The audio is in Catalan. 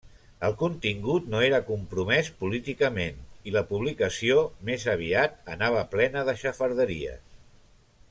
El contingut no era compromès políticament i la publicació més aviat anava plena de xafarderies.